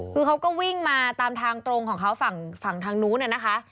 คือเขาก็วิ่งมาตามทางตรงของเขาฝั่งทางนู้นนะคะ